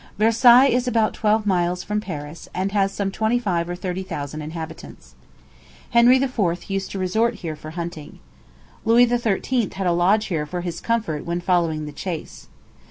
Versailles is about twelve miles from Paris, and has some twenty five or thirty thousand inhabitants. Henry IV. used to resort here for hunting. Louis XIII. had a lodge here for his comfort when following the chase.